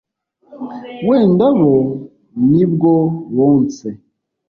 wenda bo ni bwo bonse